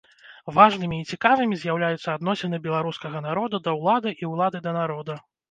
Важнымі і цікавымі з'яўляюцца адносіны беларускага народа да ўлады і ўлады да народа.